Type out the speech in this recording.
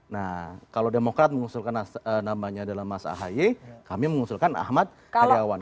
nah kalau demokrat mengusulkan namanya adalah mas ahaye kami mengusulkan ahmad heriawan